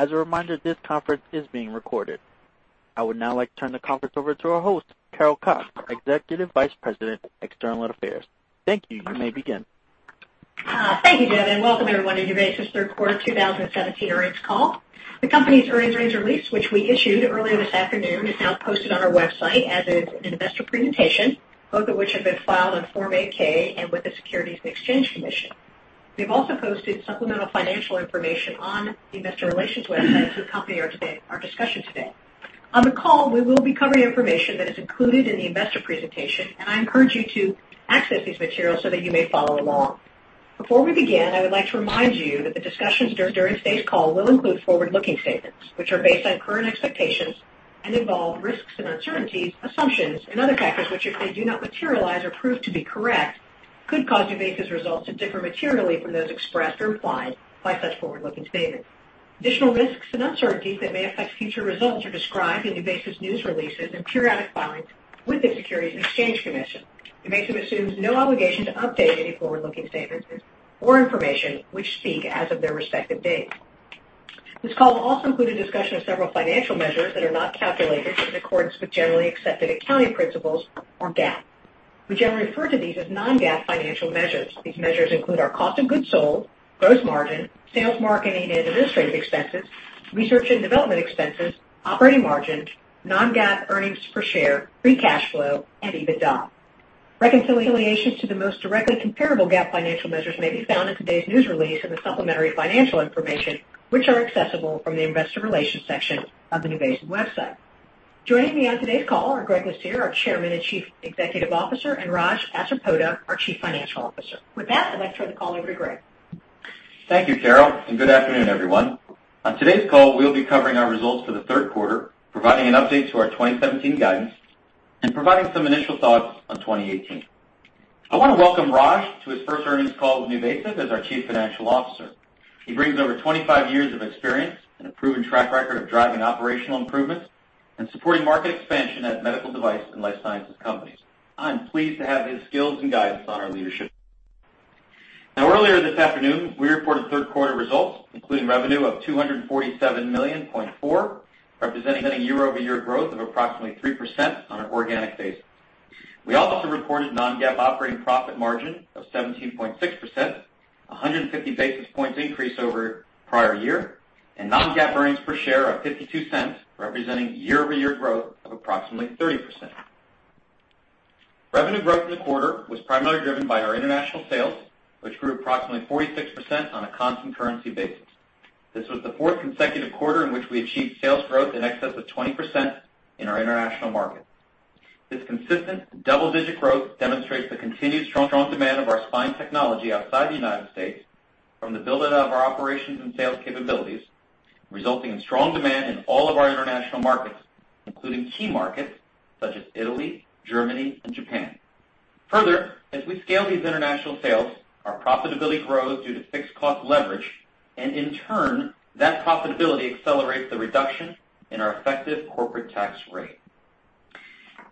As a reminder, this conference is being recorded. I would now like to turn the conference over to our host, Carol Cox, Executive Vice President, External Affairs. Thank you. You may begin. Thank you, Devin. Welcome, everyone, to NuVasive's Third Quarter 2017 Earnings Call. The company's earnings range release, which we issued earlier this afternoon, is now posted on our website as is an investor presentation, both of which have been filed on Form 8-K and with the Securities and Exchange Commission. We've also posted supplemental financial information on the investor relations website to accompany our discussion today. On the call, we will be covering information that is included in the investor presentation, and I encourage you to access these materials so that you may follow along. Before we begin, I would like to remind you that the discussions during today's call will include forward-looking statements, which are based on current expectations and involve risks and uncertainties, assumptions, and other factors which, if they do not materialize or prove to be correct, could cause NuVasive's results to differ materially from those expressed or implied by such forward-looking statements. Additional risks and uncertainties that may affect future results are described in NuVasive's news releases and periodic filings with the Securities and Exchange Commission. NuVasive assumes no obligation to update any forward-looking statements or information which speak as of their respective dates. This call will also include a discussion of several financial measures that are not calculated in accordance with generally accepted accounting principles, or GAAP. We generally refer to these as non-GAAP financial measures. These measures include our cost of goods sold, gross margin, sales margin and administrative expenses, research and development expenses, operating margin, non-GAAP earnings per share, free cash flow, and EBITDA. Reconciliations to the most directly comparable GAAP financial measures may be found in today's news release and the supplementary financial information, which are accessible from the investor relations section of the NuVasive website. Joining me on today's call are Greg Lucier, our Chairman and Chief Executive Officer, and Raj Asarpota, our Chief Financial Officer. With that, I'd like to turn the call over to Greg. Thank you, Carol, and good afternoon, everyone. On today's call, we'll be covering our results for the third quarter, providing an update to our 2017 guidance, and providing some initial thoughts on 2018. I want to welcome Raj to his first earnings call with NuVasive as our Chief Financial Officer. He brings over 25 years of experience and a proven track record of driving operational improvements and supporting market expansion at medical device and life sciences companies. I'm pleased to have his skills and guidance on our leadership. Now, earlier this afternoon, we reported third quarter results, including revenue of $247.4 million, representing year-over-year growth of approximately 3% on an organic basis. We also reported non-GAAP operating profit margin of 17.6%, a 150 basis points increase over the prior year, and non-GAAP earnings per share of $0.52, representing year-over-year growth of approximately 30%. Revenue growth in the quarter was primarily driven by our international sales, which grew approximately 46% on a constant currency basis. This was the fourth consecutive quarter in which we achieved sales growth in excess of 20% in our international markets. This consistent double-digit growth demonstrates the continued strong demand of our spine technology outside the U.S. from the build-up of our operations and sales capabilities, resulting in strong demand in all of our international markets, including key markets such as Italy, Germany, and Japan. Further, as we scale these international sales, our profitability grows due to fixed cost leverage, and in turn, that profitability accelerates the reduction in our effective corporate tax rate.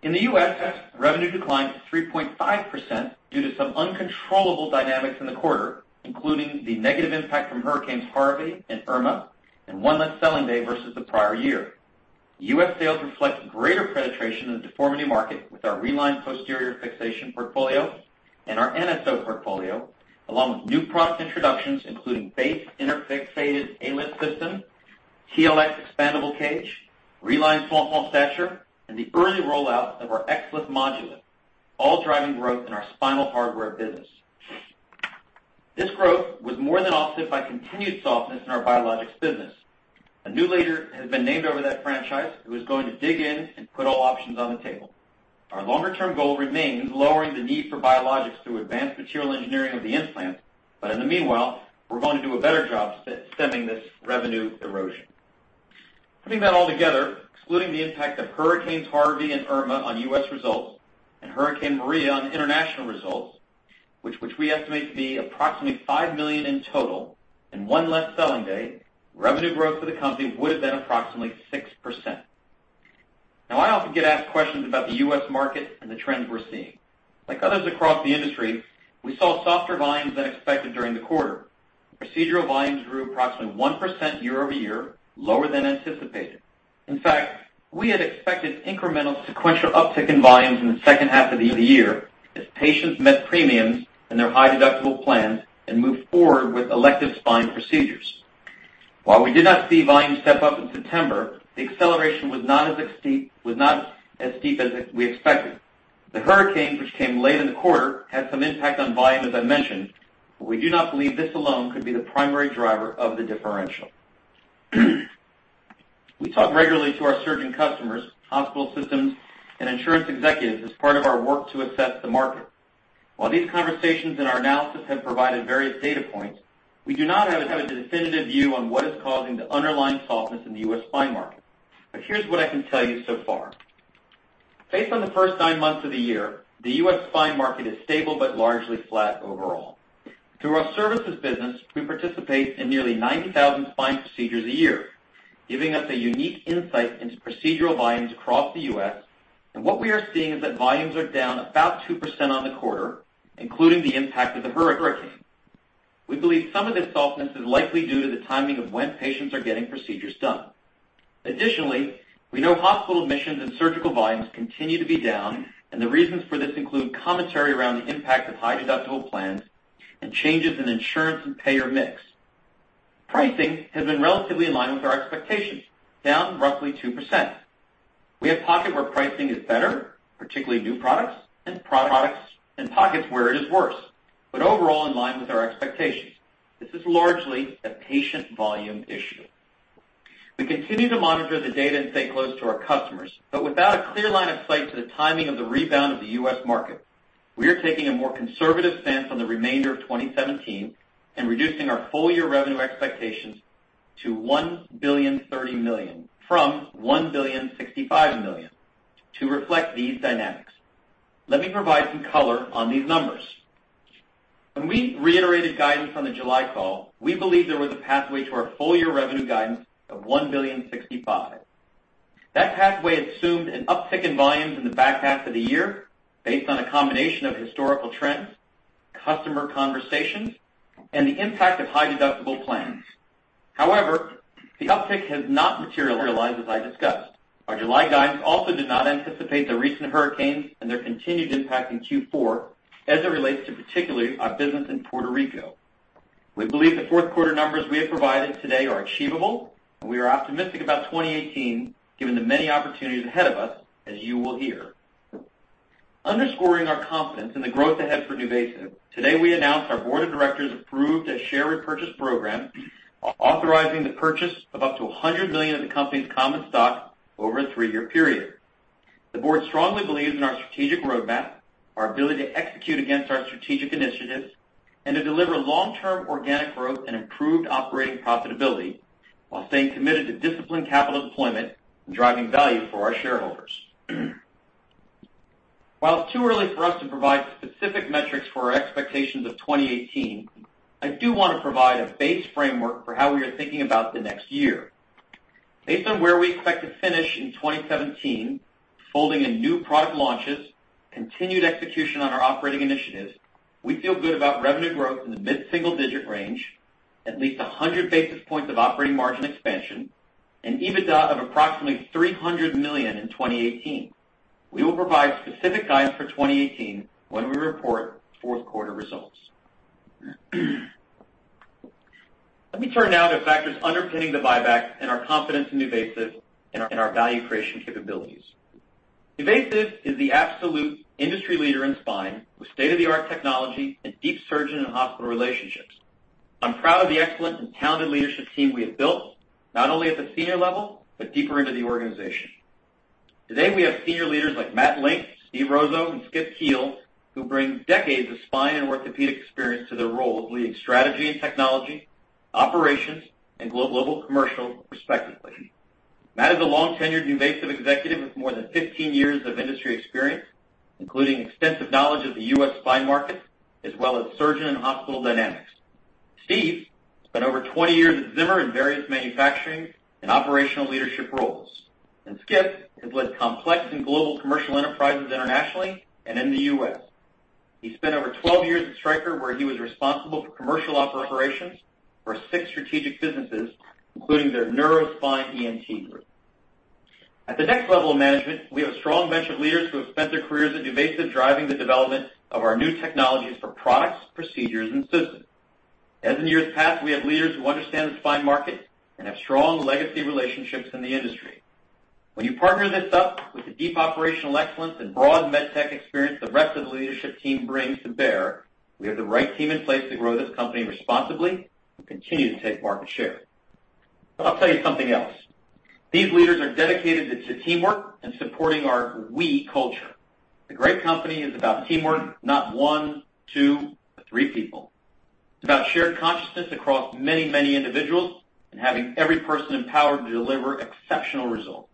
In the U.S., revenue declined 3.5% due to some uncontrollable dynamics in the quarter, including the negative impact from Hurricane Harvey and Irma, and one less selling day versus the prior year. US sales reflect greater penetration in the deformity market with our Reline posterior fixation portfolio and our NSO portfolio, along with new product introductions including BASE ALIF interfixated system, TLX expandable cage, Reline small font stature, and the early rollout of our XLIF module, all driving growth in our spinal hardware business. This growth was more than offset by continued softness in our biologics business. A new leader has been named over that franchise who is going to dig in and put all options on the table. Our longer-term goal remains lowering the need for biologics through advanced material engineering of the implants, but in the meanwhile, we're going to do a better job stemming this revenue erosion. Putting that all together, excluding the impact of Hurricanes Harvey and Irma on U.S. results and Hurricane Maria on international results, which we estimate to be approximately $5 million in total and one less selling day, revenue growth for the company would have been approximately 6%. Now, I often get asked questions about the U.S. market and the trends we're seeing. Like others across the industry, we saw softer volumes than expected during the quarter. Procedural volumes grew approximately 1% year-over-year, lower than anticipated. In fact, we had expected incremental sequential uptick in volumes in the second half of the year as patients met premiums in their high-deductible plans and moved forward with elective spine procedures. While we did not see volumes step up in September, the acceleration was not as steep as we expected. The hurricanes which came late in the quarter had some impact on volume, as I mentioned, but we do not believe this alone could be the primary driver of the differential. We talk regularly to our surging customers, hospital systems, and insurance executives as part of our work to assess the market. While these conversations and our analysis have provided various data points, we do not have a definitive view on what is causing the underlying softness in the U.S. spine market. Here is what I can tell you so far. Based on the first nine months of the year, the U.S. spine market is stable but largely flat overall. Through our services business, we participate in nearly 90,000 spine procedures a year, giving us a unique insight into procedural volumes across the U.S., and what we are seeing is that volumes are down about 2% on the quarter, including the impact of the hurricane. We believe some of this softness is likely due to the timing of when patients are getting procedures done. Additionally, we know hospital admissions and surgical volumes continue to be down, and the reasons for this include commentary around the impact of high-deductible plans and changes in insurance and payer mix. Pricing has been relatively in line with our expectations, down roughly 2%. We have pockets where pricing is better, particularly new products, and pockets where it is worse, but overall in line with our expectations. This is largely a patient volume issue. We continue to monitor the data and stay close to our customers, but without a clear line of sight to the timing of the rebound of the U.S. market, we are taking a more conservative stance on the remainder of 2017 and reducing our full-year revenue expectations to $1,030,000,000 from $1,065,000,000 to reflect these dynamics. Let me provide some color on these numbers. When we reiterated guidance on the July call, we believed there was a pathway to our full-year revenue guidance of $1,065,000,000. That pathway assumed an uptick in volumes in the back half of the year based on a combination of historical trends, customer conversations, and the impact of high-deductible plans. However, the uptick has not materialized as I discussed. Our July guidance also did not anticipate the recent hurricanes and their continued impact in Q4 as it relates to particularly our business in Puerto Rico. We believe the fourth quarter numbers we have provided today are achievable, and we are optimistic about 2018 given the many opportunities ahead of us, as you will hear. Underscoring our confidence in the growth ahead for NuVasive, today we announced our Board of Directors approved a share repurchase program authorizing the purchase of up to $100 million of the company's common stock over a three-year period. The board strongly believes in our strategic roadmap, our ability to execute against our strategic initiatives, and to deliver long-term organic growth and improved operating profitability while staying committed to disciplined capital deployment and driving value for our shareholders. While it's too early for us to provide specific metrics for our expectations of 2018, I do want to provide a base framework for how we are thinking about the next year. Based on where we expect to finish in 2017, folding in new product launches, continued execution on our operating initiatives, we feel good about revenue growth in the mid-single-digit range, at least 100 basis points of operating margin expansion, and EBITDA of approximately $300 million in 2018. We will provide specific guidance for 2018 when we report fourth quarter results. Let me turn now to factors underpinning the buyback and our confidence in NuVasive and our value creation capabilities. NuVasive is the absolute industry leader in spine with state-of-the-art technology and deep surgeon and hospital relationships. I'm proud of the excellent and talented leadership team we have built, not only at the senior level but deeper into the organization. Today, we have senior leaders like Matt Link, Steve Rozo, and Skip Keal, who bring decades of spine and orthopedic experience to their roles, leading strategy and technology, operations, and global commercial respectively. Matt is a long-tenured NuVasive executive with more than 15 years of industry experience, including extensive knowledge of the U.S. spine market as well as surgeon and hospital dynamics. Steve spent over 20 years at Zimmer in various manufacturing and operational leadership roles, and Skip has led complex and global commercial enterprises internationally and in the U.S. He spent over 12 years at Stryker, where he was responsible for commercial operations for six strategic businesses, including their neuro spine EMT group. At the next level of management, we have a strong bench of leaders who have spent their careers at NuVasive driving the development of our new technologies for products, procedures, and systems. As in years past, we have leaders who understand the spine market and have strong legacy relationships in the industry. When you partner this up with the deep operational excellence and broad med tech experience the rest of the leadership team brings to bear, we have the right team in place to grow this company responsibly and continue to take market share. I'll tell you something else. These leaders are dedicated to teamwork and supporting our we culture. The great company is about teamwork, not one, two, or three people. It's about shared consciousness across many, many individuals and having every person empowered to deliver exceptional results.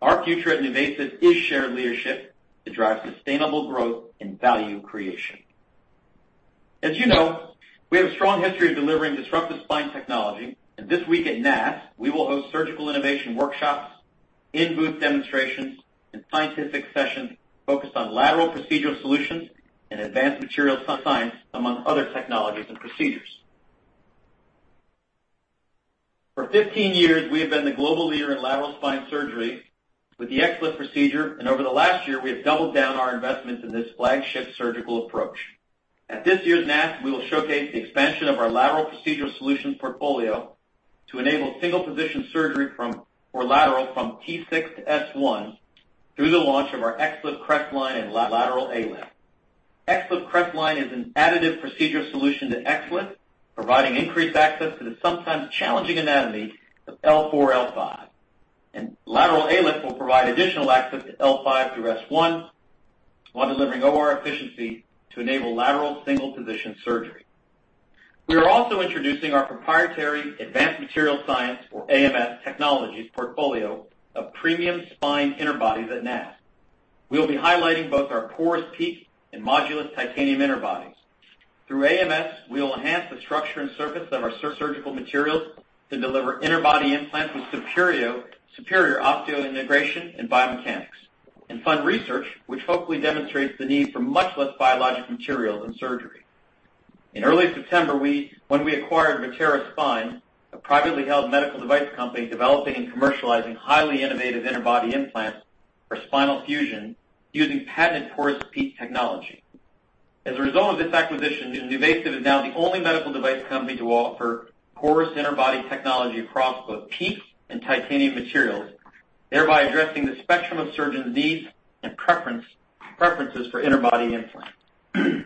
Our future at NuVasive is shared leadership that drives sustainable growth and value creation. As you know, we have a strong history of delivering disruptive spine technology, and this week at NAS, we will host surgical innovation workshops, in-booth demonstrations, and scientific sessions focused on lateral procedural solutions and advanced material science, among other technologies and procedures. For 15 years, we have been the global leader in lateral spine surgery with the XLIF procedure, and over the last year, we have doubled down our investments in this flagship surgical approach. At this year's NAS, we will showcase the expansion of our lateral procedural solution portfolio to enable single-position surgery lateral from T6 to S1 through the launch of our XLIF crest line and lateral ALIF. XLIF crest line is an additive procedural solution to XLIF, providing increased access to the sometimes challenging anatomy of L4-L5, and lateral ALIF will provide additional access to L5 through S1 while delivering OR efficiency to enable lateral single-position surgery. We are also introducing our proprietary Advanced Material Science, or AMS, technology portfolio of premium spine internal bodies at NAS. We will be highlighting both our porous PEEK and Modulus Titanium inner bodies. Through AMS, we will enhance the structure and surface of our surgical materials to deliver inner body implants with superior osteointegration and biomechanics, and fund research which hopefully demonstrates the need for much less biologic materials in surgery. In early September, when we acquired Vertera Spine, a privately held medical device company developing and commercializing highly innovative inner body implants for spinal fusion using patented porous PEEK technology. As a result of this acquisition, NuVasive is now the only medical device company to offer porous interbody technology across both PEEK and titanium materials, thereby addressing the spectrum of surgeons' needs and preferences for interbody implants. The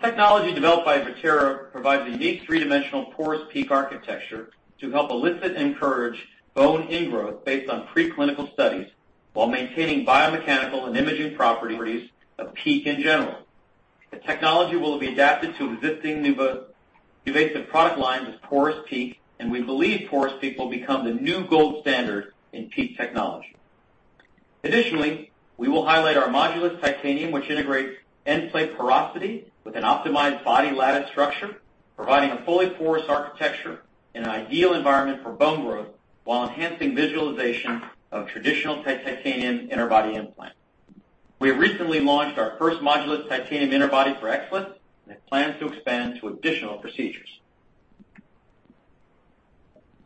technology developed by Vertera provides a unique three-dimensional porous PEEK architecture to help elicit and encourage bone ingrowth based on preclinical studies while maintaining biomechanical and imaging properties of PEEK in general. The technology will be adapted to existing NuVasive product lines as porous PEEK, and we believe porous PEEK will become the new gold standard in PEEK technology. Additionally, we will highlight our Modulus Titanium, which integrates endplate porosity with an optimized body lattice structure, providing a fully porous architecture and an ideal environment for bone growth while enhancing visualization of traditional titanium interbody implants. We have recently launched our first Modulus Titanium inner body for XLIF, and it plans to expand to additional procedures.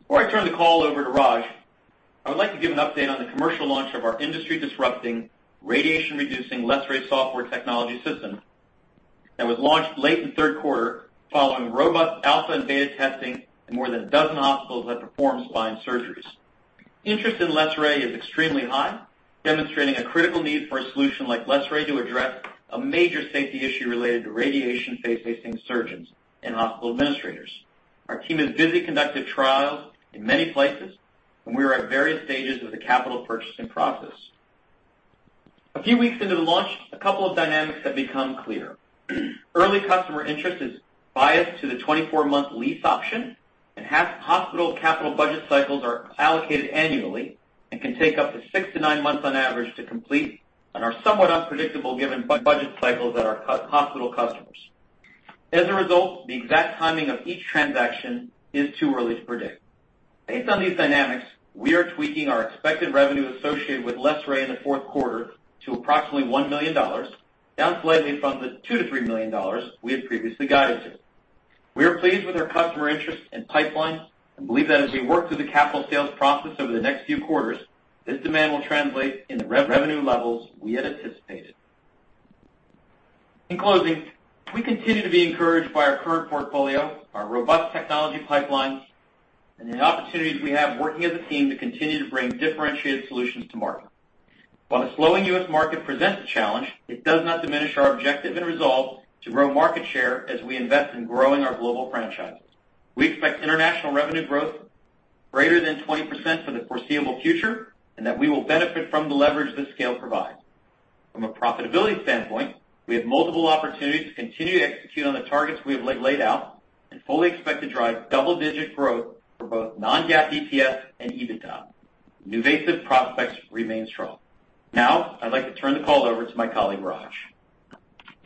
Before I turn the call over to Raj, I would like to give an update on the commercial launch of our industry-disrupting radiation-reducing Les Ray software technology system that was launched late in third quarter following robust alpha and beta testing in more than a dozen hospitals that perform spine surgeries. Interest in Les Ray is extremely high, demonstrating a critical need for a solution like Les Ray to address a major safety issue related to radiation-facing surgeons and hospital administrators. Our team is busy conducting trials in many places, and we are at various stages of the capital purchasing process. A few weeks into the launch, a couple of dynamics have become clear. Early customer interest is biased to the 24-month lease option, and hospital capital budget cycles are allocated annually and can take up to six to nine months on average to complete and are somewhat unpredictable given budget cycles that our hospital customers. As a result, the exact timing of each transaction is too early to predict. Based on these dynamics, we are tweaking our expected revenue associated with Les Ray in the fourth quarter to approximately $1 million, down slightly from the $2 to $3 million we had previously guided to. We are pleased with our customer interest and pipeline and believe that as we work through the capital sales process over the next few quarters, this demand will translate into revenue levels we had anticipated. In closing, we continue to be encouraged by our current portfolio, our robust technology pipelines, and the opportunities we have working as a team to continue to bring differentiated solutions to market. While the slowing U.S. market presents a challenge, it does not diminish our objective and resolve to grow market share as we invest in growing our global franchise. We expect international revenue growth greater than 20% for the foreseeable future and that we will benefit from the leverage this scale provides. From a profitability standpoint, we have multiple opportunities to continue to execute on the targets we have laid out and fully expect to drive double-digit growth for both non-GAAP EPS and EBITDA. NuVasive prospects remain strong. Now, I'd like to turn the call over to my colleague, Raj.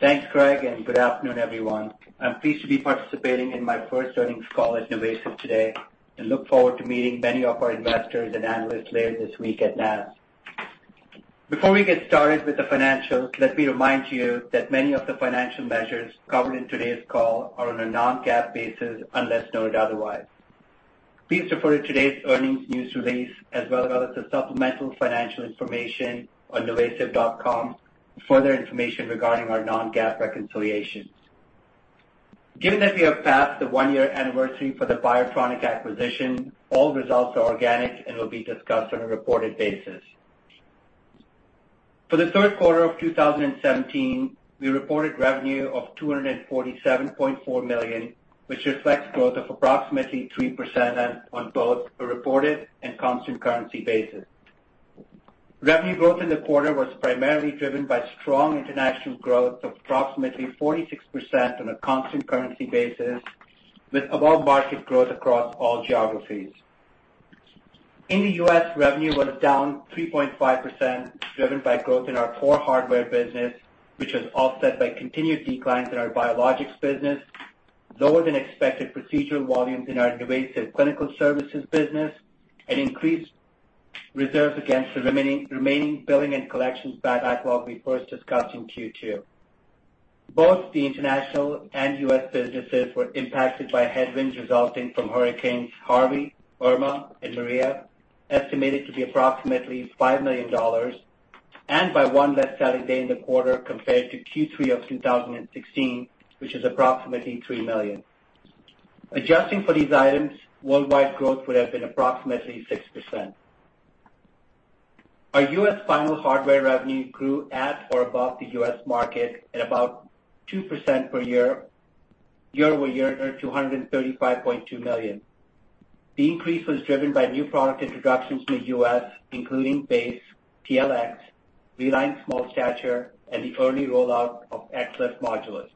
Thanks, Greg, and good afternoon, everyone. I'm pleased to be participating in my first earnings call at NuVasive today and look forward to meeting many of our investors and analysts later this week at NAS. Before we get started with the financials, let me remind you that many of the financial measures covered in today's call are on a non-GAAP basis unless noted otherwise. Please refer to today's earnings news release as well as the supplemental financial information on nuvasive.com for further information regarding our non-GAAP reconciliation. Given that we have passed the one-year anniversary for the Biotronic acquisition, all results are organic and will be discussed on a reported basis. For the Third Quarter of 2017, we reported revenue of $247.4 million, which reflects growth of approximately 3% on both a reported and constant currency basis. Revenue growth in the quarter was primarily driven by strong international growth of approximately 46% on a constant currency basis, with above-market growth across all geographies. In the U.S., revenue was down 3.5%, driven by growth in our core hardware business, which was offset by continued declines in our biologics business, lower-than-expected procedural volumes in our NuVasive Clinical Services business, and increased reserves against the remaining billing and collections backlog we first discussed in Q2. Both the international and U.S. businesses were impacted by headwinds resulting from hurricanes Harvey, Irma, and Maria, estimated to be approximately $5 million, and by one less selling day in the quarter compared to Q3 of 2016, which was approximately $3 million. Adjusting for these items, worldwide growth would have been approximately 6%. Our U.S. final hardware revenue grew at or above the U.S. market at about 2% per year, year-over-year at $235.2 million. The increase was driven by new product introductions in the US, including BASE, PLX, Reline Small Stature, and the early rollout of XLIF Modulus.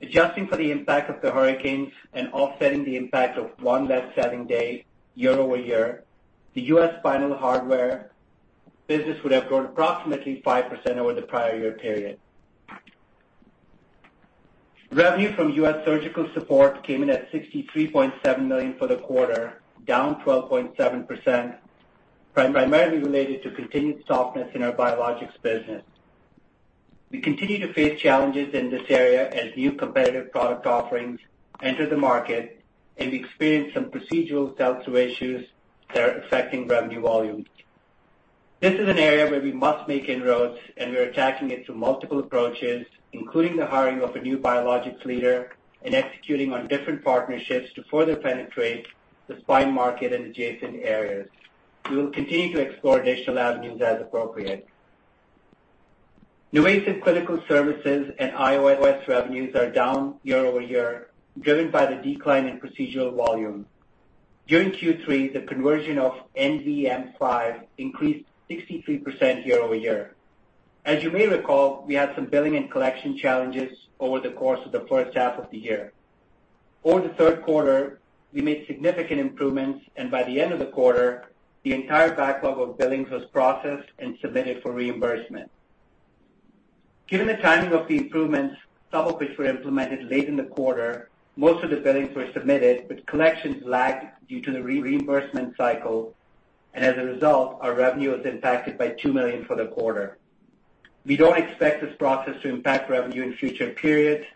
Adjusting for the impact of the hurricanes and offsetting the impact of one less selling day year-over-year, the US final hardware business would have grown approximately 5% over the prior year period. Revenue from US surgical support came in at $63.7 million for the quarter, down 12.7%, primarily related to continued softness in our biologics business. We continue to face challenges in this area as new competitive product offerings enter the market, and we experience some procedural sell-through issues that are affecting revenue volumes. This is an area where we must make inroads, and we are attacking it through multiple approaches, including the hiring of a new biologics leader and executing on different partnerships to further penetrate the spine market and adjacent areas. We will continue to explore additional avenues as appropriate. NuVasive Clinical Services and IOM revenues are down year-over-year, driven by the decline in procedural volume. During Q3, the conversion of NVM5 increased 63% year-over-year. As you may recall, we had some billing and collection challenges over the course of the first half of the year. Over the third quarter, we made significant improvements, and by the end of the quarter, the entire backlog of billings was processed and submitted for reimbursement. Given the timing of the improvements, some of which were implemented late in the quarter, most of the billings were submitted, but collections lagged due to the reimbursement cycle, and as a result, our revenue was impacted by $2 million for the quarter. We don't expect this process to impact revenue in future periods,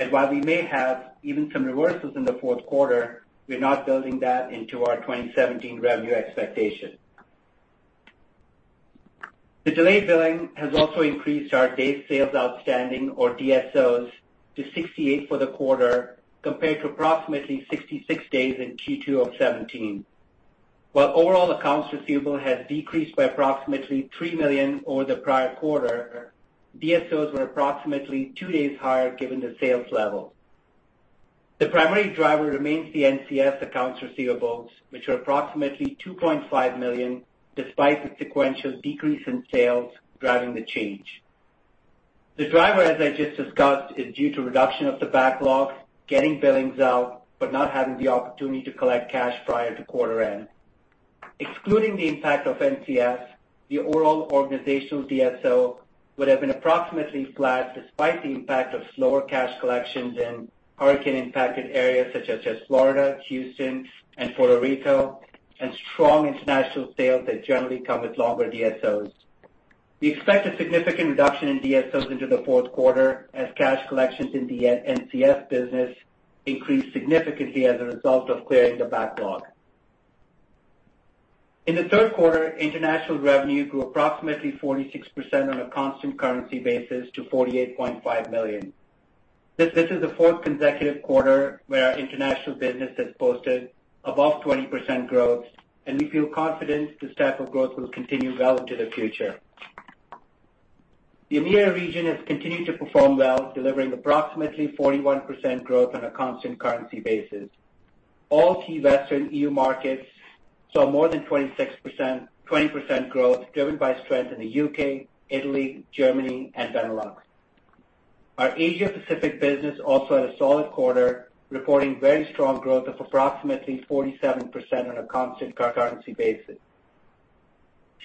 and while we may have even some reversals in the fourth quarter, we are not building that into our 2017 revenue expectation. The delayed billing has also increased our days sales outstanding, or DSOs, to 68 for the quarter, compared to approximately 66 days in Q2 of 2017. While overall accounts receivable has decreased by approximately $3 million over the prior quarter, DSOs were approximately two days higher given the sales level. The primary driver remains the NCS accounts receivables, which are approximately $2.5 million, despite the sequential decrease in sales driving the change. The driver, as I just discussed, is due to reduction of the backlog, getting billings out, but not having the opportunity to collect cash prior to quarter end. Excluding the impact of NCS, the overall organizational DSO would have been approximately flat despite the impact of slower cash collections in hurricane-impacted areas such as Florida, Houston, and Puerto Rico, and strong international sales that generally come with longer DSOs. We expect a significant reduction in DSOs into the fourth quarter as cash collections in the NCS business increased significantly as a result of clearing the backlog. In the third quarter, international revenue grew approximately 46% on a constant currency basis to $48.5 million. This is the fourth consecutive quarter where our international business has posted above 20% growth, and we feel confident this type of growth will continue well into the future. The EMEA region has continued to perform well, delivering approximately 41% growth on a constant currency basis. All key Western EU markets saw more than 20% growth, driven by strength in the U.K., Italy, Germany, and Benelux. Our Asia-Pacific business also had a solid quarter, reporting very strong growth of approximately 47% on a constant currency basis.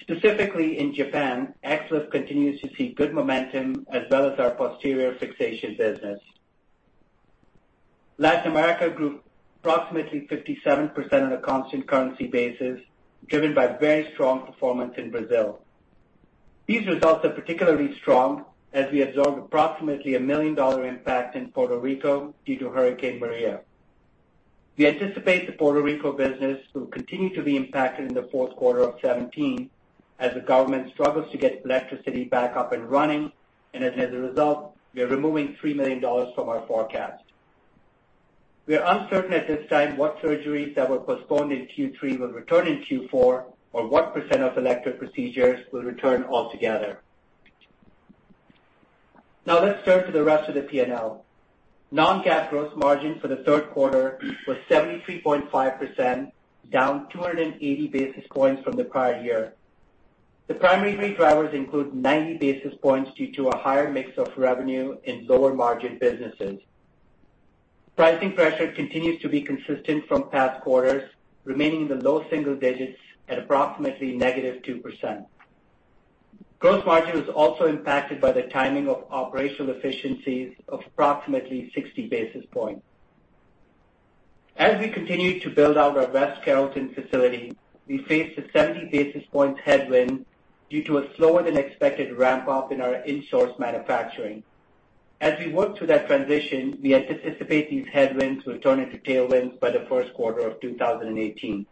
Specifically, in Japan, XLIF continues to see good momentum as well as our posterior fixation business. Latin America grew approximately 57% on a constant currency basis, driven by very strong performance in Brazil. These results are particularly strong as we absorbed approximately $1 million impact in Puerto Rico due to Hurricane Maria. We anticipate the Puerto Rico business will continue to be impacted in the fourth quarter of 2017 as the government struggles to get electricity back up and running, and as a result, we are removing $3 million from our forecast. We are uncertain at this time what surgeries that were postponed in Q3 will return in Q4 or what percent of elective procedures will return altogether. Now, let's turn to the rest of the P&L. Non-GAAP gross margin for the third quarter was 73.5%, down 280 basis points from the prior year. The primary three drivers include 90 basis points due to a higher mix of revenue in lower margin businesses. Pricing pressure continues to be consistent from past quarters, remaining in the low single digits at approximately -2%. Gross margin was also impacted by the timing of operational efficiencies of approximately 60 basis points. As we continue to build out our West Carrollton facility, we faced a 70 basis points headwind due to a slower-than-expected ramp-up in our in-source manufacturing. As we work through that transition, we anticipate these headwinds will turn into tailwinds by the first quarter of 2018.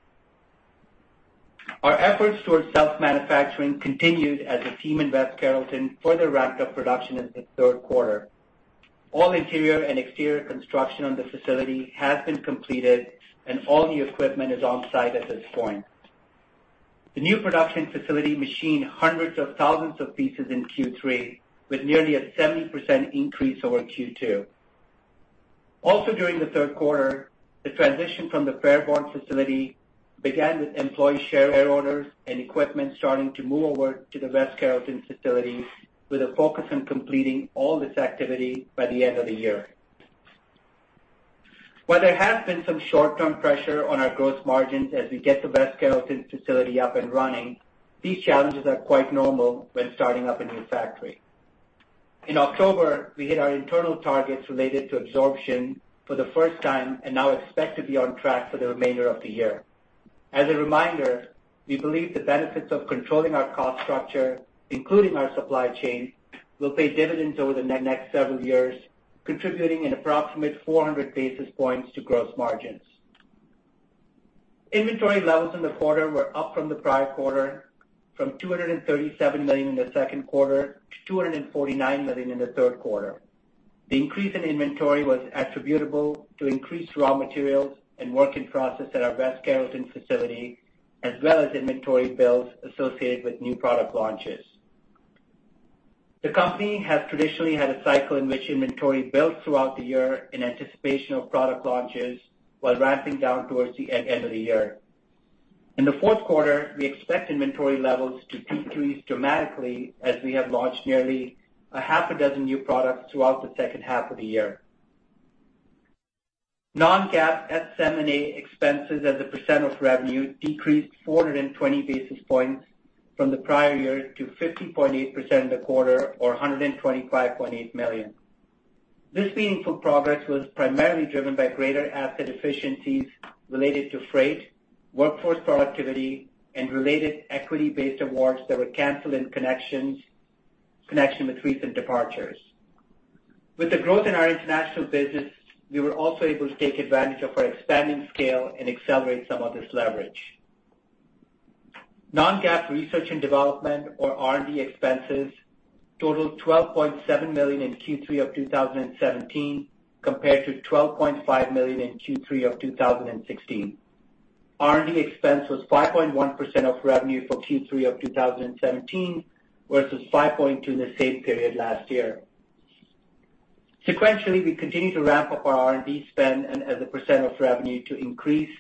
Our efforts towards self-manufacturing continued as the team in West Carrollton further ramped up production in the third quarter. All interior and exterior construction on the facility has been completed, and all new equipment is on-site at this point. The new production facility machined hundreds of thousands of pieces in Q3, with nearly a 70% increase over Q2. Also, during the third quarter, the transition from the Fairborn facility began with employee share orders and equipment starting to move over to the West Carrollton facility, with a focus on completing all this activity by the end of the year. While there has been some short-term pressure on our gross margins as we get the West Carrollton facility up and running, these challenges are quite normal when starting up a new factory. In October, we hit our internal targets related to absorption for the first time and now expect to be on track for the remainder of the year. As a reminder, we believe the benefits of controlling our cost structure, including our supply chain, will pay dividends over the next several years, contributing an approximate 400 basis points to gross margins. Inventory levels in the quarter were up from the prior quarter, from $237 million in the second quarter to $249 million in the third quarter. The increase in inventory was attributable to increased raw materials and work in process at our West Carrollton facility, as well as inventory builds associated with new product launches. The company has traditionally had a cycle in which inventory builds throughout the year in anticipation of product launches while ramping down towards the end of the year. In the fourth quarter, we expect inventory levels to decrease dramatically as we have launched nearly half a dozen new products throughout the second half of the year. Non-GAAP SM&A expenses as a percent of revenue decreased 420 basis points from the prior year to 50.8% in the quarter, or $125.8 million. This meaningful progress was primarily driven by greater asset efficiencies related to freight, workforce productivity, and related equity-based awards that were canceled in connection with recent departures. With the growth in our international business, we were also able to take advantage of our expanding scale and accelerate some of this leverage. Non-GAAP research and development, or R&D expenses, totaled $12.7 million in Q3 of 2017 compared to $12.5 million in Q3 of 2016. R&D expense was 5.1% of revenue for Q3 of 2017 versus 5.2% in the same period last year. Sequentially, we continue to ramp up our R&D spend as a percent of revenue to increase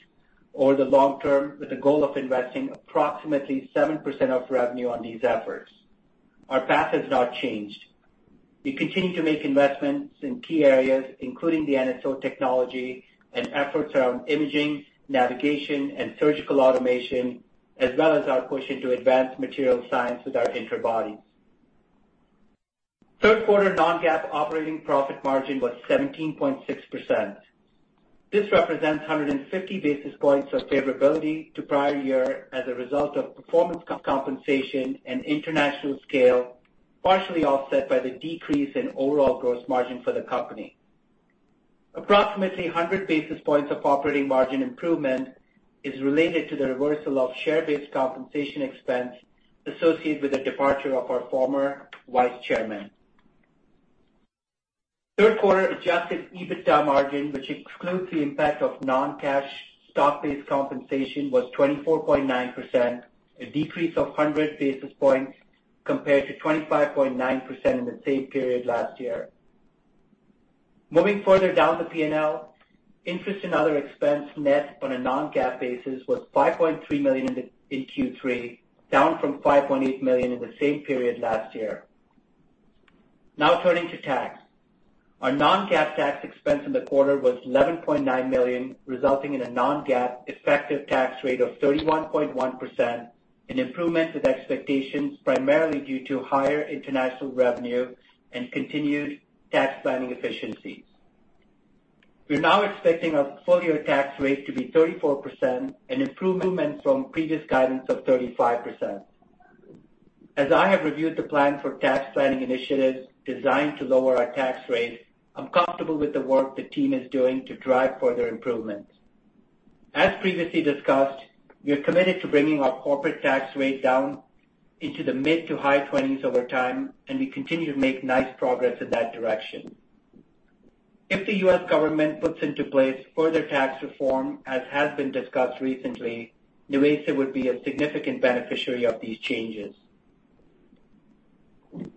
over the long term, with the goal of investing approximately 7% of revenue on these efforts. Our path has not changed. We continue to make investments in key areas, including the NSO technology and efforts around imaging, navigation, and surgical automation, as well as our push into Advanced Material Science with our interbodies. Third quarter non-GAAP operating profit margin was 17.6%. This represents 150 basis points of favorability to prior year as a result of performance compensation and international scale, partially offset by the decrease in overall gross margin for the company. Approximately 100 basis points of operating margin improvement is related to the reversal of share-based compensation expense associated with the departure of our former Vice Chairman. Third quarter adjusted EBITDA margin, which excludes the impact of non-cash stock-based compensation, was 24.9%, a decrease of 100 basis points compared to 25.9% in the same period last year. Moving further down the P&L, interest and other expense net on a non-GAAP basis was $5.3 million in Q3, down from $5.8 million in the same period last year. Now turning to tax. Our non-GAAP tax expense in the quarter was $11.9 million, resulting in a non-GAAP effective tax rate of 31.1%, an improvement with expectations primarily due to higher international revenue and continued tax planning efficiencies. We're now expecting our full-year tax rate to be 34%, an improvement from previous guidance of 35%. As I have reviewed the plan for tax planning initiatives designed to lower our tax rate, I'm comfortable with the work the team is doing to drive further improvements. As previously discussed, we are committed to bringing our corporate tax rate down into the mid to high 20s over time, and we continue to make nice progress in that direction. If the U.S. government puts into place further tax reform, as has been discussed recently, NuVasive would be a significant beneficiary of these changes.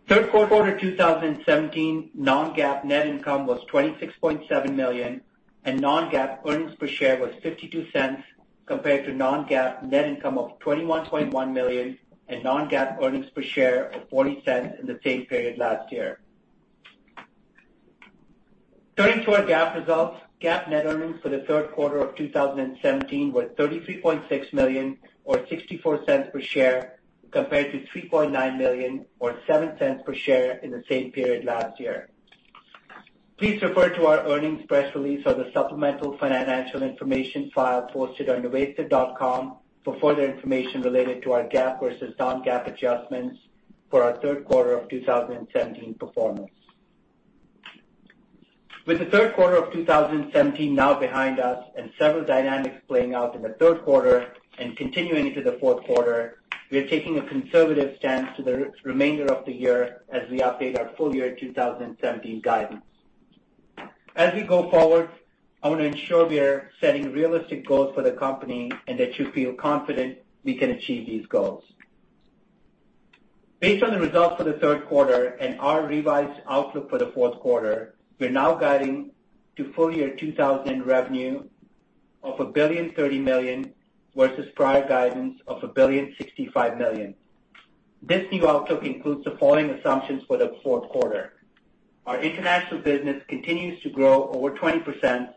Third quarter 2017 non-GAAP net income was $26.7 million, and non-GAAP earnings per share was $0.52 compared to non-GAAP net income of $21.1 million and non-GAAP earnings per share of $0.40 in the same period last year. Turning to our GAAP results, GAAP net earnings for the Third Quarter of 2017 were $33.6 million, or $0.64 per share, compared to $3.9 million, or $0.07 per share in the same period last year. Please refer to our earnings press release or the supplemental financial information file posted on nuvasive.com for further information related to our GAAP versus non-GAAP adjustments for our Third Quarter of 2017 performance. With the Third Quarter of 2017 now behind us and several dynamics playing out in the third quarter and continuing into the fourth quarter, we are taking a conservative stance to the remainder of the year as we update our full-year 2017 guidance. As we go forward, I want to ensure we are setting realistic goals for the company and that you feel confident we can achieve these goals. Based on the results for the third quarter and our revised outlook for the fourth quarter, we're now guiding to full-year 2023 revenue of $1.030 billion versus prior guidance of $1.065 billion. This new outlook includes the following assumptions for the fourth quarter. Our international business continues to grow over 20%,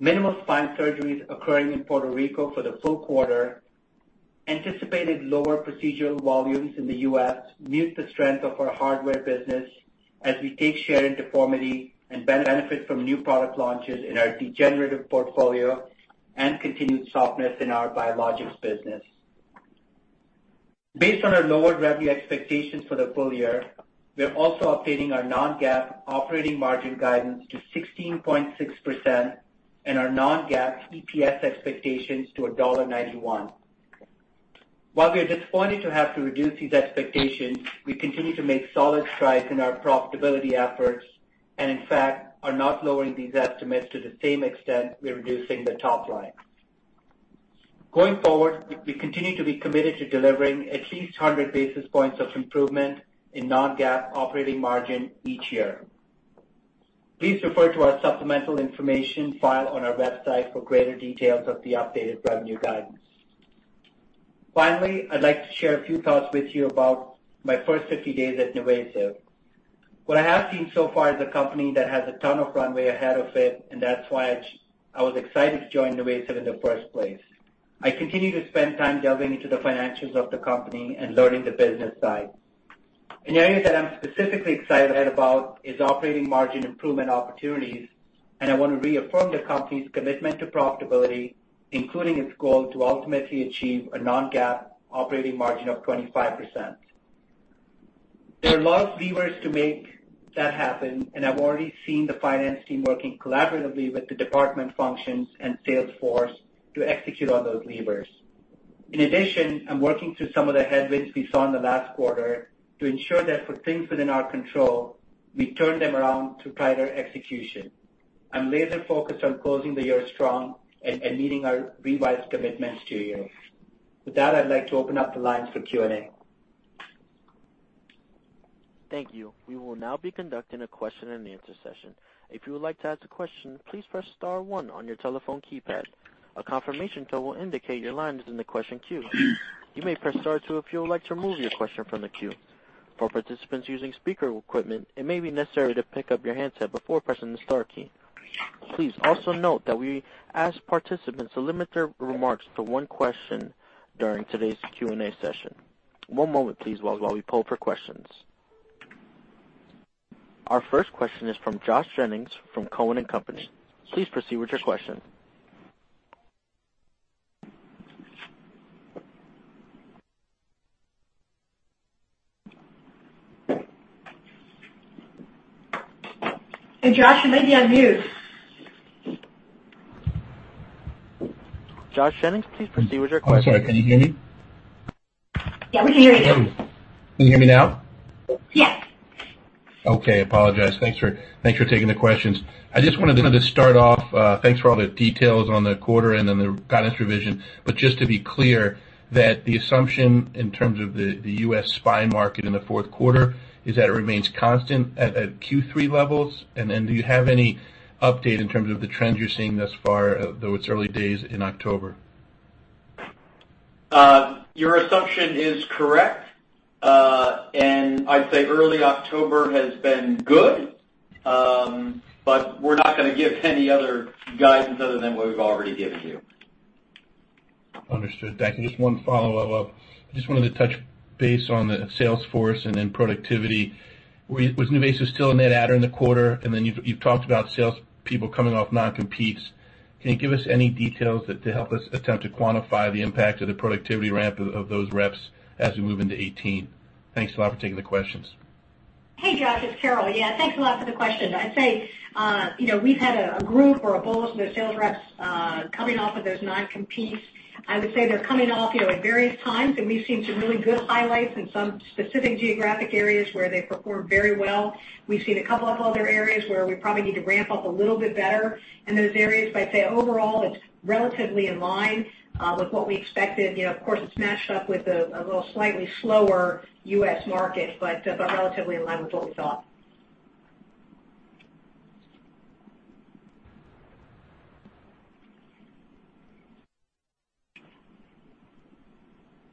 minimal spine surgeries occurring in Puerto Rico for the full quarter, anticipated lower procedural volumes in the U.S. mute the strength of our hardware business as we take share in deformity and benefit from new product launches in our degenerative portfolio and continued softness in our biologics business. Based on our lower revenue expectations for the full year, we're also updating our non-GAAP operating margin guidance to 16.6% and our non-GAAP EPS expectations to $1.91. While we are disappointed to have to reduce these expectations, we continue to make solid strides in our profitability efforts and, in fact, are not lowering these estimates to the same extent we're reducing the top line. Going forward, we continue to be committed to delivering at least 100 basis points of improvement in non-GAAP operating margin each year. Please refer to our supplemental information file on our website for greater details of the updated revenue guidance. Finally, I'd like to share a few thoughts with you about my first 50 days at NuVasive. What I have seen so far is a company that has a ton of runway ahead of it, and that's why I was excited to join NuVasive in the first place. I continue to spend time delving into the financials of the company and learning the business side. An area that I'm specifically excited about is operating margin improvement opportunities, and I want to reaffirm the company's commitment to profitability, including its goal to ultimately achieve a non-GAAP operating margin of 25%. There are a lot of levers to make that happen, and I've already seen the finance team working collaboratively with the department functions and sales force to execute on those levers. In addition, I'm working through some of the headwinds we saw in the last quarter to ensure that for things within our control, we turn them around through tighter execution. I'm laser-focused on closing the year strong and meeting our revised commitments to you. With that, I'd like to open up the lines for Q&A. Thank you. We will now be conducting a question-and-answer session. If you would like to ask a question, please press Star 1 on your telephone keypad. A confirmation code will indicate your line is in the question queue. You may press Star 2 if you would like to remove your question from the queue. For participants using speaker equipment, it may be necessary to pick up your handset before pressing the Star key. Please also note that we ask participants to limit their remarks to one question during today's Q&A session. One moment, please, while we pull up our questions. Our first question is from Josh Jennings from Cowen. Please proceed with your question. Hey, Josh, you may be on mute. Josh Jennings, please proceed with your question. I'm sorry. Can you hear me? Yeah, we can hear you. Can you hear me now? Yes. Okay. Apologize. Thanks for taking the questions. I just wanted to start off, thanks for all the details on the quarter and then the guidance revision, but just to be clear, the assumption in terms of the U.S. spine market in the fourth quarter is that it remains constant at Q3 levels. Do you have any update in terms of the trends you're seeing thus far, though it's early days in October? Your assumption is correct, and I'd say early October has been good, but we're not going to give any other guidance other than what we've already given you. Understood. Thank you. Just one follow-up. I just wanted to touch base on the sales force and then productivity. Was NuVasive still in that adder in the quarter? You've talked about salespeople coming off non-competes. Can you give us any details to help us attempt to quantify the impact of the productivity ramp of those reps as we move into 2018? Thanks a lot for taking the questions. Hey, Josh. It's Carol. Yeah, thanks a lot for the question. I'd say we've had a group or a bullish in the sales reps coming off of those non-competes. I would say they're coming off at various times, and we've seen some really good highlights in some specific geographic areas where they performed very well. We've seen a couple of other areas where we probably need to ramp up a little bit better in those areas, but I'd say overall, it's relatively in line with what we expected. Of course, it's matched up with a little slightly slower U.S. market, but relatively in line with what we thought.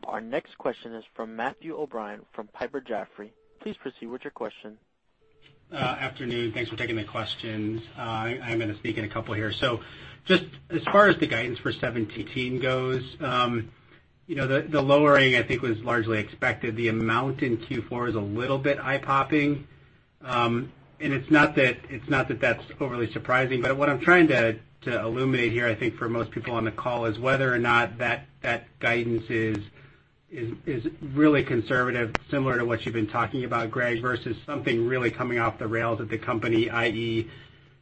Our next question is from Matthew O'Brien from Piper Jaffray. Please proceed with your question. Afternoon. Thanks for taking the question. I am going to sneak in a couple here. Just as far as the guidance for 2017 goes, the lowering I think was largely expected. The amount in Q4 is a little bit eye-popping, and it's not that that's overly surprising, but what I'm trying to illuminate here, I think, for most people on the call is whether or not that guidance is really conservative, similar to what you've been talking about, Greg, versus something really coming off the rails at the company, i.e.,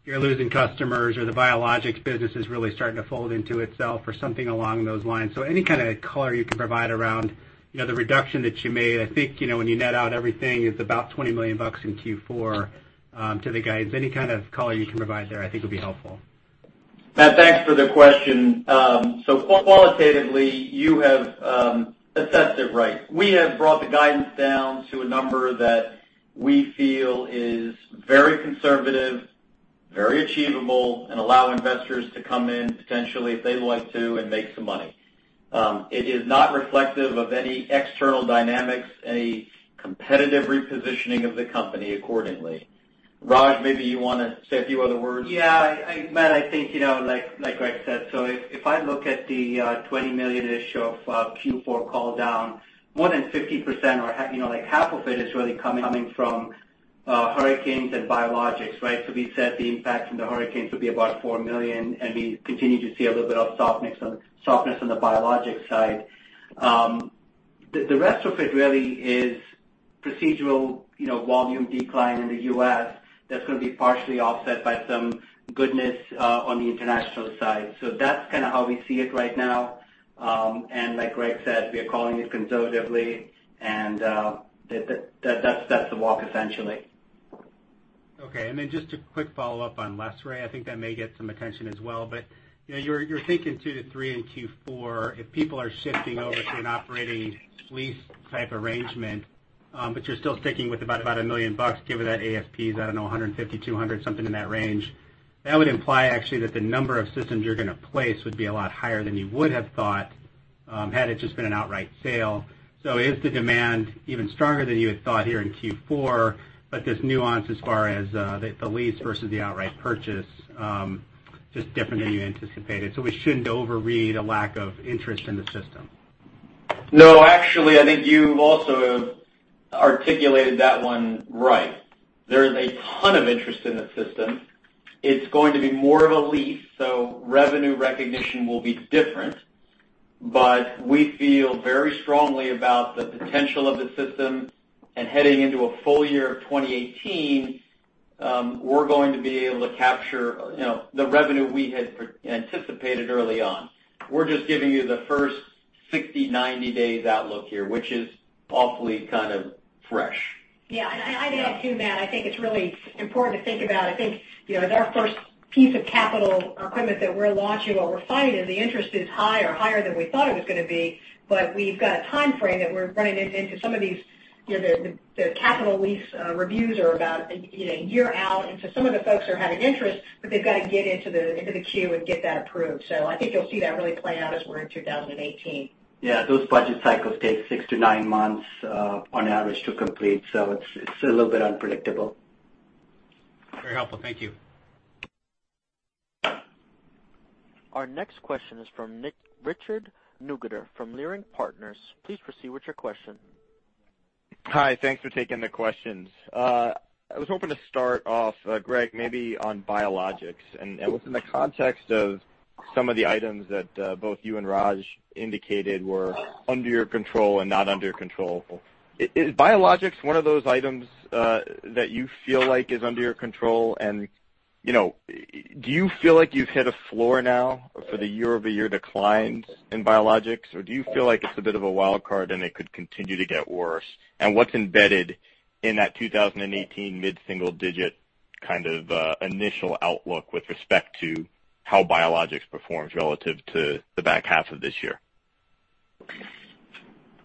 you're losing customers or the biologics business is really starting to fold into itself or something along those lines. Any kind of color you can provide around the reduction that you made. I think when you net out everything, it's about $20 million in Q4 to the guidance. Any kind of color you can provide there, I think, would be helpful. Matt, thanks for the question. Qualitatively, you have assessed it right. We have brought the guidance down to a number that we feel is very conservative, very achievable, and allow investors to come in potentially if they'd like to and make some money. It is not reflective of any external dynamics, any competitive repositioning of the company accordingly. Raj, maybe you want to say a few other words? Yeah. Matt, I think, like Greg said, if I look at the $20 million-ish of Q4 call down, more than 50% or half of it is really coming from hurricanes and biologics, right? We said the impact from the hurricanes would be about $4 million, and we continue to see a little bit of softness on the biologics side. The rest of it really is procedural volume decline in the U.S. that's going to be partially offset by some goodness on the international side. That's kind of how we see it right now. Like Greg said, we are calling it conservatively, and that's the walk, essentially. Okay. Then just a quick follow-up on Les Ray. I think that may get some attention as well. You're thinking two to three in Q4 if people are shifting over to an operating lease type arrangement, but you're still sticking with about a million bucks given that ASP is, I don't know, $150-$200, something in that range. That would imply, actually, that the number of systems you're going to place would be a lot higher than you would have thought had it just been an outright sale. Is the demand even stronger than you had thought here in Q4, but this nuance as far as the lease versus the outright purchase just different than you anticipated? We shouldn't overread a lack of interest in the system. No, actually, I think you also articulated that one right. There is a ton of interest in the system. It's going to be more of a lease, so revenue recognition will be different. We feel very strongly about the potential of the system, and heading into a full year of 2018, we're going to be able to capture the revenue we had anticipated early on. We're just giving you the first 60, 90 days outlook here, which is awfully kind of fresh. Yeah. And I'd add too, Matt, I think it's really important to think about, I think, as our first piece of capital equipment that we're launching, what we're finding is the interest is higher, higher than we thought it was going to be, but we've got a timeframe that we're running into some of these—the capital lease reviews are about a year out. And so some of the folks are having interest, but they've got to get into the queue and get that approved. I think you'll see that really play out as we're in 2018. Yeah. Those budget cycles take six to nine months on average to complete, so it's a little bit unpredictable. Very helpful. Thank you. Our next question is from Richard N. Pollan from Leerink Partners. Please proceed with your question. Hi. Thanks for taking the questions. I was hoping to start off, Greg, maybe on biologics and within the context of some of the items that both you and Raj indicated were under your control and not under your control. Is biologics one of those items that you feel like is under your control? Do you feel like you've hit a floor now for the year-over-year declines in biologics, or do you feel like it's a bit of a wild card and it could continue to get worse? What's embedded in that 2018 mid-single-digit kind of initial outlook with respect to how biologics performs relative to the back half of this year?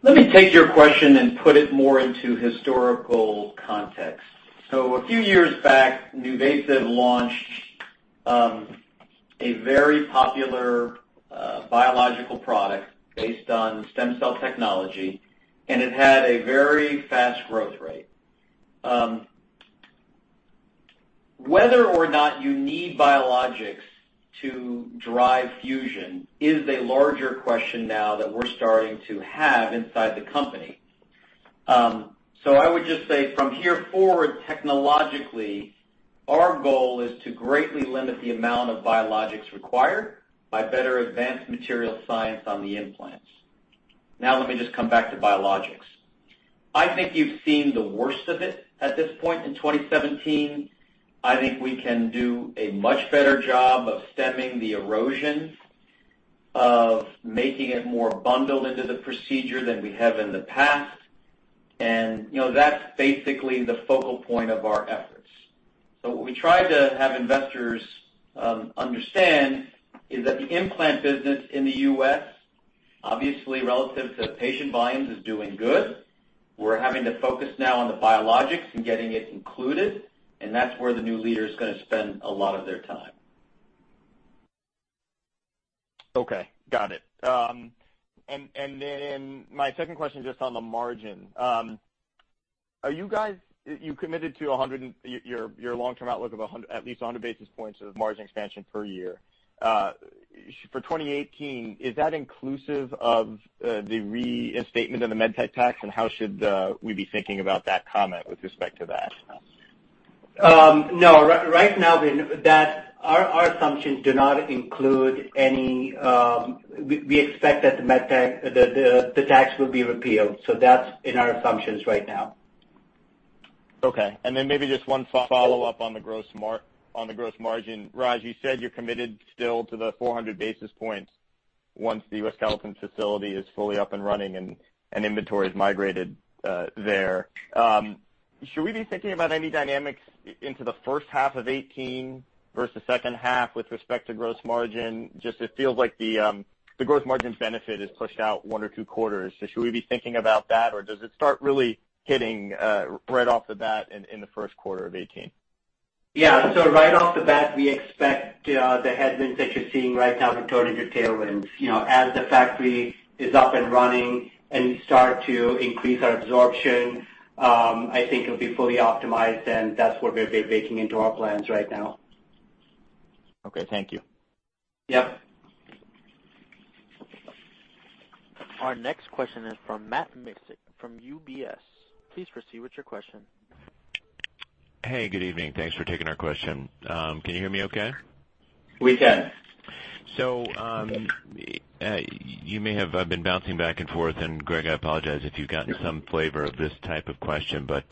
Let me take your question and put it more into historical context. A few years back, NuVasive launched a very popular biological product based on stem cell technology, and it had a very fast growth rate. Whether or not you need biologics to drive fusion is the larger question now that we're starting to have inside the company. I would just say from here forward, technologically, our goal is to greatly limit the amount of biologics required by better advanced material science on the implants. Now, let me just come back to biologics. I think you've seen the worst of it at this point in 2017. I think we can do a much better job of stemming the erosion, of making it more bundled into the procedure than we have in the past. That's basically the focal point of our efforts. What we tried to have investors understand is that the implant business in the US, obviously relative to patient volumes, is doing good. We're having to focus now on the biologics and getting it included, and that's where the new leader is going to spend a lot of their time. Okay. Got it. My second question just on the margin. Are you guys—you committed to your long-term outlook of at least 100 basis points of margin expansion per year. For 2018, is that inclusive of the reinstatement of the medtech tax, and how should we be thinking about that comment with respect to that? No. Right now, our assumptions do not include any—we expect that the tax will be repealed. That's in our assumptions right now. Okay. Maybe just one follow-up on the gross margin. Raj, you said you're committed still to the 400 basis points once the U.S. Calhoun facility is fully up and running and inventory is migrated there. Should we be thinking about any dynamics into the first half of 2018 versus second half with respect to gross margin? Just it feels like the gross margin benefit is pushed out one or two quarters. Should we be thinking about that, or does it start really hitting right off the bat in the first quarter of 2018? Yeah. Right off the bat, we expect the headwinds that you're seeing right now to turn into tailwinds. As the factory is up and running and we start to increase our absorption, I think it'll be fully optimized, and that's what we're baking into our plans right now. Okay. Thank you. Yep. Our next question is from Matt Miksic from UBS. Please proceed with your question. Hey, good evening. Thanks for taking our question. Can you hear me okay? We can. You may have been bouncing back and forth, and Greg, I apologize if you've gotten some flavor of this type of question, but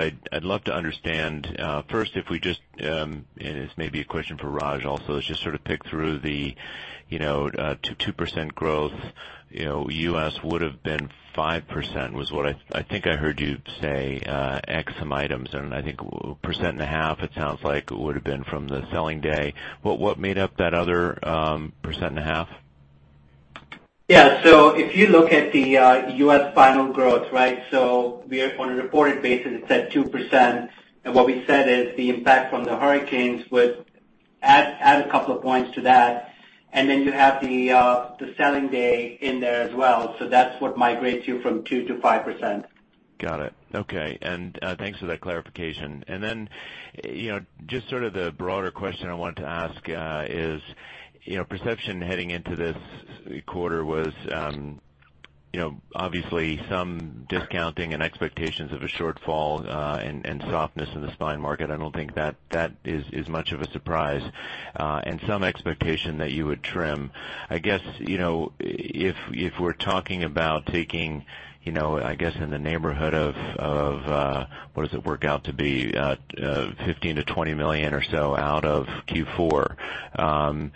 I'd love to understand. First, if we just—and this may be a question for Raj also, let's just sort of pick through the 2% growth. US would have been 5%, was what I think I heard you say, X some items, and I think 1.5%, it sounds like, would have been from the selling day. What made up that other 1.5%? Yeah. If you look at the US final growth, right, on a reported basis, it's at 2%. What we said is the impact from the hurricanes would add a couple of points to that. You have the selling day in there as well. That is what migrates you from 2% to 5%. Got it. Okay. Thanks for that clarification. The broader question I wanted to ask is perception heading into this quarter was obviously some discounting and expectations of a shortfall and softness in the spine market. I do not think that is much of a surprise, and some expectation that you would trim. I guess if we are talking about taking, I guess, in the neighborhood of—what does it work out to be?—$15 million to $20 million or so out of Q4.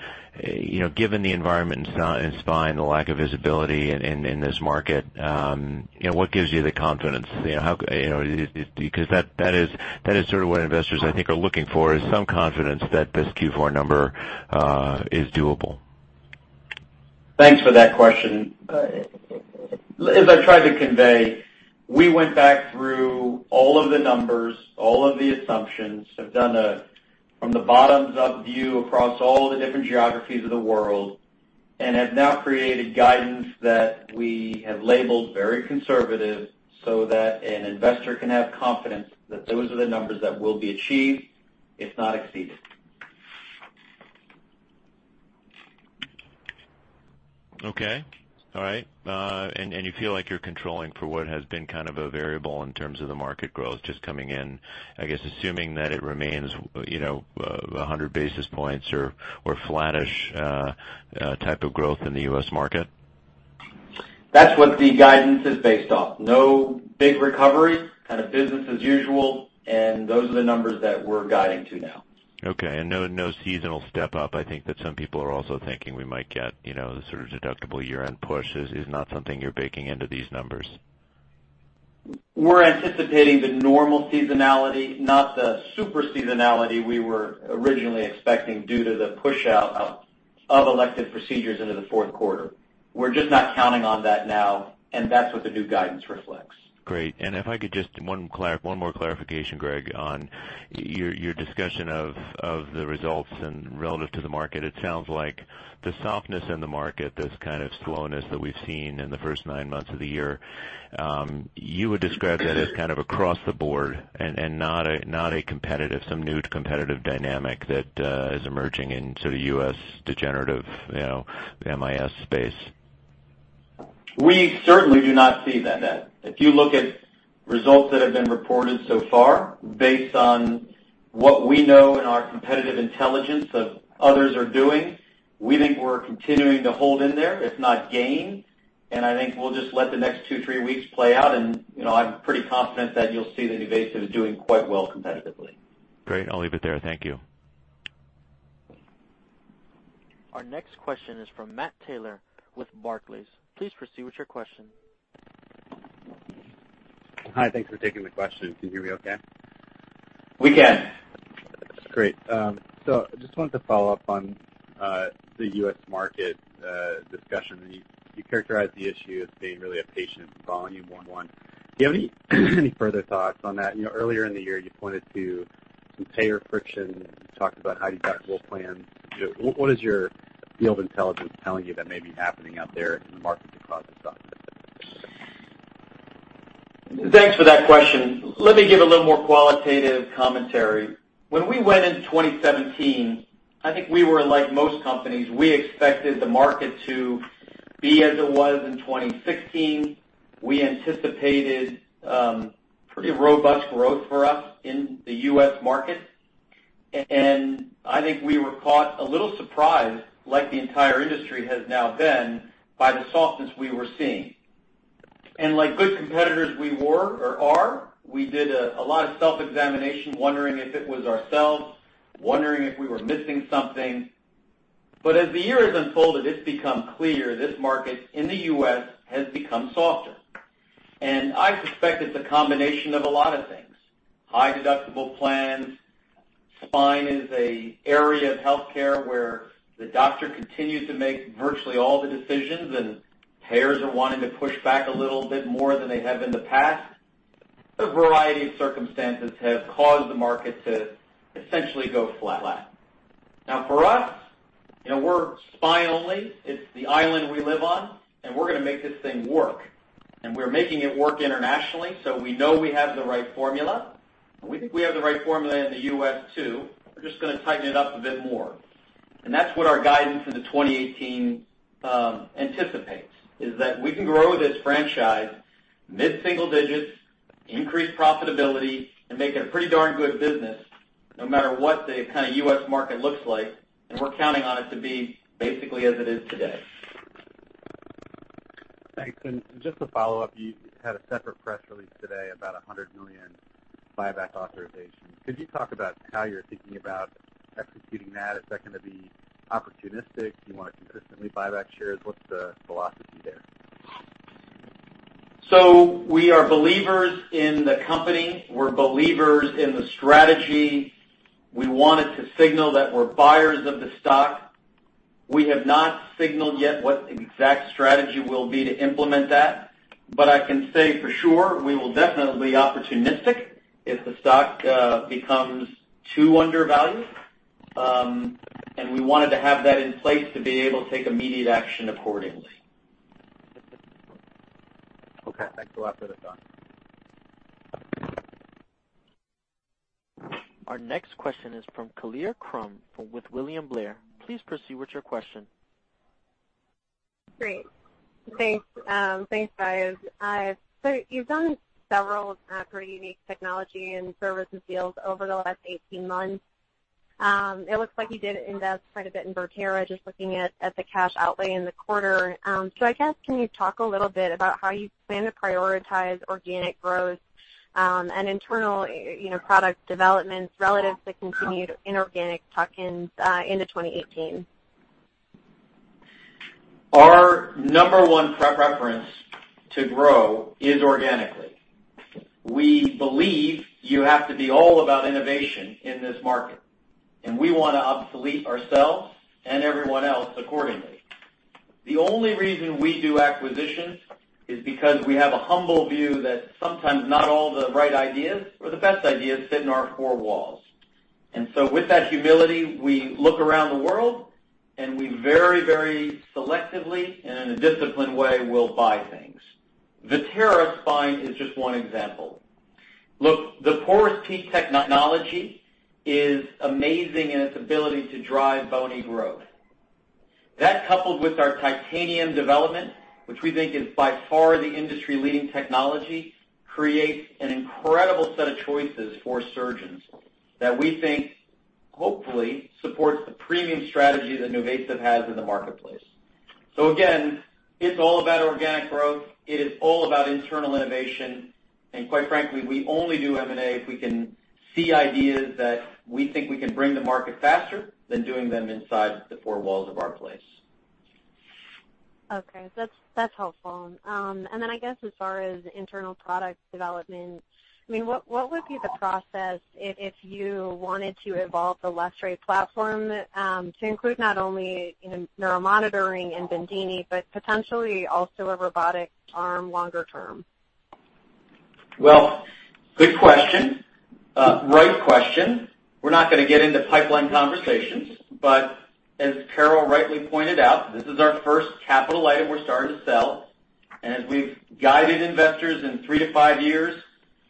Given the environment in spine, the lack of visibility in this market, what gives you the confidence? That is what investors, I think, are looking for, is some confidence that this Q4 number is doable. Thanks for that question. As I tried to convey, we went back through all of the numbers, all of the assumptions, have done a from the bottoms-up view across all the different geographies of the world, and have now created guidance that we have labeled very conservative so that an investor can have confidence that those are the numbers that will be achieved, if not exceeded. Okay. All right. And you feel like you're controlling for what has been kind of a variable in terms of the market growth just coming in, I guess, assuming that it remains 100 basis points or flattish type of growth in the U.S. market? That's what the guidance is based off. No big recovery, kind of business as usual, and those are the numbers that we're guiding to now. Okay. And no seasonal step-up. I think that some people are also thinking we might get the sort of deductible year-end push. It is not something you're baking into these numbers. We're anticipating the normal seasonality, not the super seasonality we were originally expecting due to the push-out of elective procedures into the fourth quarter. We're just not counting on that now, and that's what the new guidance reflects. Great. If I could just—one more clarification, Greg, on your discussion of the results relative to the market. It sounds like the softness in the market, this kind of slowness that we've seen in the first nine months of the year, you would describe that as kind of across the board and not a competitive, some new competitive dynamic that is emerging in sort of U.S. degenerative MIS space. We certainly do not see that. If you look at results that have been reported so far based on what we know in our competitive intelligence of others are doing, we think we're continuing to hold in there, if not gain. I think we'll just let the next two, three weeks play out, and I'm pretty confident that you'll see that NuVasive is doing quite well competitively. Great. I'll leave it there. Thank you. Our next question is from Matt Taylor with Barclays. Please proceed with your question. Hi. Thanks for taking the question. Can you hear me okay? We can. Great. I just wanted to follow up on the U.S. market discussion. You characterized the issue as being really a patient volume one. Do you have any further thoughts on that? Earlier in the year, you pointed to some payer friction. You talked about high-deductible plans. What is your field intelligence telling you that may be happening out there in the market to cause this? Thanks for that question. Let me give a little more qualitative commentary. When we went in 2017, I think we were like most companies. We expected the market to be as it was in 2016. We anticipated pretty robust growth for us in the US market. I think we were caught a little surprised, like the entire industry has now been, by the softness we were seeing. Like good competitors, we were or are. We did a lot of self-examination, wondering if it was ourselves, wondering if we were missing something. As the year has unfolded, it's become clear this market in the US has become softer. I suspect it's a combination of a lot of things: high-deductible plans, spine is an area of healthcare where the doctor continues to make virtually all the decisions, and payers are wanting to push back a little bit more than they have in the past. A variety of circumstances have caused the market to essentially go flat. Now, for us, we're spine-only. It's the island we live on, and we're going to make this thing work. We're making it work internationally, so we know we have the right formula. We think we have the right formula in the U.S. too. We're just going to tighten it up a bit more. That's what our guidance into 2018 anticipates, is that we can grow this franchise mid-single digits, increase profitability, and make it a pretty darn good business no matter what the kind of U.S. market looks like. We're counting on it to be basically as it is today. Thanks. Just to follow up, you had a separate press release today about $100 million buyback authorization. Could you talk about how you're thinking about executing that? Is that going to be opportunistic? Do you want to consistently buy back shares? What's the philosophy there? We are believers in the company. We're believers in the strategy. We wanted to signal that we're buyers of the stock. We have not signaled yet what the exact strategy will be to implement that. I can say for sure we will definitely be opportunistic if the stock becomes too undervalued. We wanted to have that in place to be able to take immediate action accordingly. Okay. Thanks a lot for the thought. Our next question is from Kalia Krum with William Blair. Please proceed with your question. Great. Thanks, guys. You've done several pretty unique technology and services deals over the last 18 months. It looks like you did invest quite a bit in Vertera, just looking at the cash outlay in the quarter. I guess can you talk a little bit about how you plan to prioritize organic growth and internal product development relative to continued inorganic tokens into 2018? Our number one preference to grow is organically. We believe you have to be all about innovation in this market. We want to obsolete ourselves and everyone else accordingly. The only reason we do acquisitions is because we have a humble view that sometimes not all the right ideas or the best ideas sit in our four walls. With that humility, we look around the world, and we very, very selectively and in a disciplined way will buy things. Vertera Spine is just one example. Look, the Porous PEEK technology is amazing in its ability to drive bony growth. That, coupled with our titanium development, which we think is by far the industry-leading technology, creates an incredible set of choices for surgeons that we think hopefully supports the premium strategy that NuVasive has in the marketplace. Again, it's all about organic growth. It is all about internal innovation. And quite frankly, we only do M&A if we can see ideas that we think we can bring to market faster than doing them inside the four walls of our place. Okay. That's helpful. I guess as far as internal product development, I mean, what would be the process if you wanted to evolve the Les Ray platform to include not only neuromonitoring and Bendini, but potentially also a robotic arm longer term? Good question. Right question. We're not going to get into pipeline conversations. But as Carol rightly pointed out, this is our first capital item we're starting to sell. And as we've guided investors in three to five years,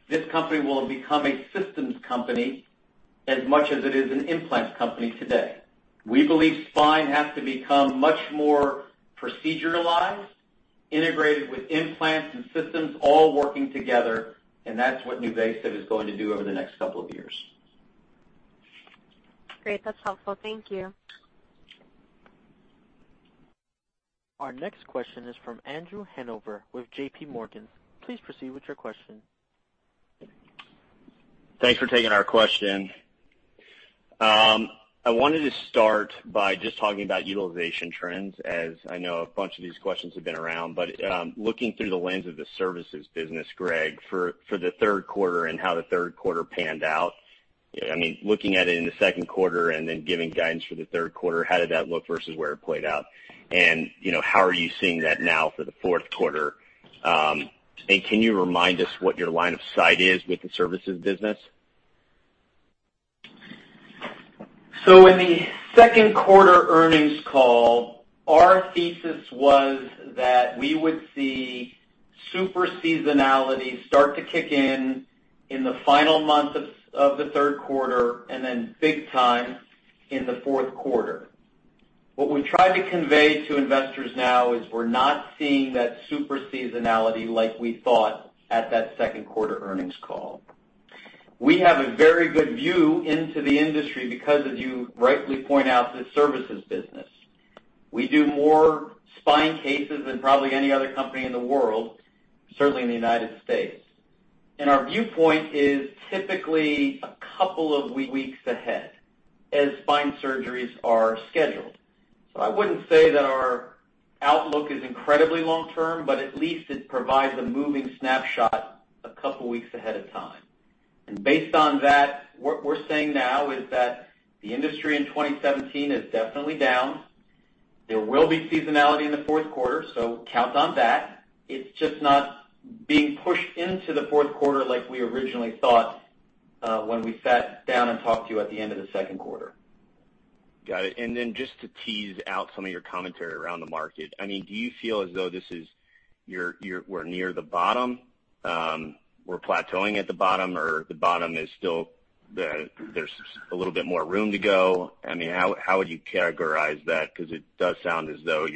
this company will become a systems company as much as it is an implant company today. We believe spine has to become much more proceduralized, integrated with implants and systems all working together. And that's what NuVasive is going to do over the next couple of years. Great. That's helpful. Thank you. Our next question is from Andrew Hanover with JP Morgan. Please proceed with your question. Thanks for taking our question. I wanted to start by just talking about utilization trends, as I know a bunch of these questions have been around. Looking through the lens of the services business, Greg, for the third quarter and how the third quarter panned out, I mean, looking at it in the second quarter and then giving guidance for the third quarter, how did that look versus where it played out? How are you seeing that now for the fourth quarter? Can you remind us what your line of sight is with the services business? In the second quarter earnings call, our thesis was that we would see super seasonality start to kick in in the final month of the third quarter and then big time in the fourth quarter. What we tried to convey to investors now is we're not seeing that super seasonality like we thought at that second quarter earnings call. We have a very good view into the industry because, as you rightly point out, the services business. We do more spine cases than probably any other company in the world, certainly in the U.S. Our viewpoint is typically a couple of weeks ahead as spine surgeries are scheduled. I would not say that our outlook is incredibly long-term, but at least it provides a moving snapshot a couple of weeks ahead of time. Based on that, what we are saying now is that the industry in 2017 is definitely down. There will be seasonality in the fourth quarter, so count on that. It is just not being pushed into the fourth quarter like we originally thought when we sat down and talked to you at the end of the second quarter. Got it. Just to tease out some of your commentary around the market, I mean, do you feel as though this is we're near the bottom, we're plateauing at the bottom, or the bottom is still there's a little bit more room to go? I mean, how would you categorize that? Because it does sound as though